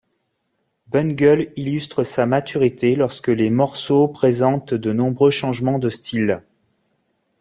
Bungle illustre sa maturité lorsque les morceaux présentent de nombreux changements de style.